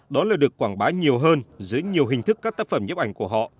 đó là được quảng bá nhiều hơn dưới nhiều hình thức các tác phẩm nhếp ảnh của họ